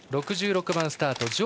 ６６番スタート